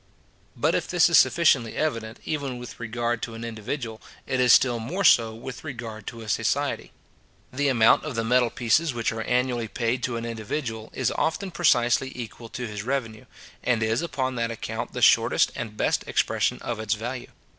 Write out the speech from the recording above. But if this is sufficiently evident, even with regard to an individual, it is still more so with regard to a society. The amount of the metal pieces which are annually paid to an individual, is often precisely equal to his revenue, and is upon that account the shortest and best expression of its value.